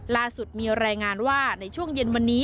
ล่าสุดมีรายงานว่าในช่วงเย็นวันนี้